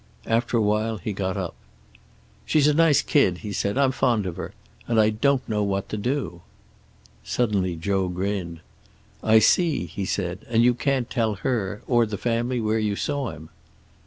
After a while he got up. "She's a nice kid," he said. "I'm fond of her. And I don't know what to do." Suddenly Joe grinned. "I see," he said. "And you can't tell her, or the family, where you saw him!"